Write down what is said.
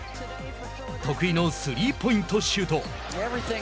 得意のスリーポイントシュート。